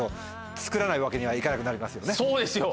そうですよ！